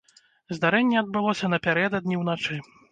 Здарэнне адбылося напярэдадні ўначы.